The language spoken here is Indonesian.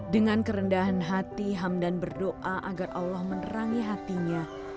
dengan kerendahan hati hamdan berdoa agar allah menerangi hatinya